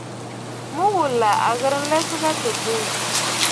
Mu ghùlà à ghɨ̀rə nlɛsə gha tɨ bwiì.